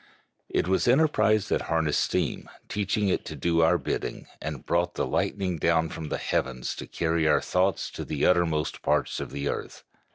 It was enterprise that harnessed steam, teaching it to do our bidding, and brought the lightning down from the heavens to carry our thoughts to the uttermost parts of the earth.